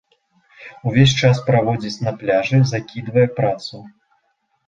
Увесь час праводзіць на пляжы, закідвае працу.